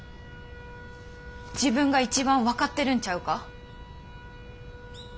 自分が一番分かってるんちゃうか？